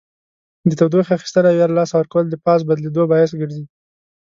د تودوخې اخیستل او یا له لاسه ورکول د فاز بدلیدو باعث ګرځي.